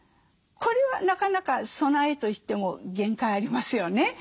これはなかなか備えとしても限界ありますよね。